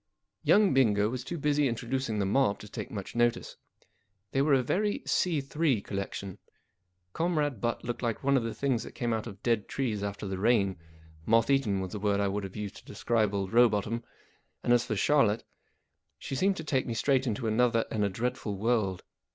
Young Bingo was too busy introducing the mob to take much notice. They were a very C3 collection. Comrade Butt looked like one of the things that come out of dead trees after the rain ; moth eaten was the word I should have used to describe old Rowbotham ; and as for Charlotte, she seemed to take me straight into another and a dreadful world.